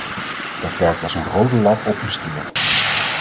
Dat werkt als een rode lap op een stier.